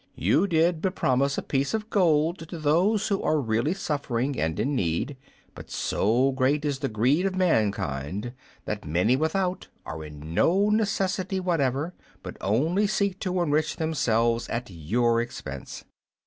You did but promise a piece of gold to those who are really suffering and in need, but so great is the greed of mankind that many without are in no necessity whatever, but only seek to enrich themselves at your expense.